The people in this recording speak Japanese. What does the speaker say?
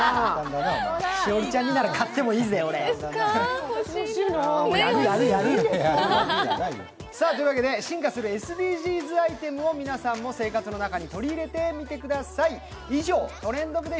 栞里ちゃんになら買ってもいいぜ、俺。というわけで進化するＳＤＧｓアイテムを、皆さんも生活の中に取り入れてみてください。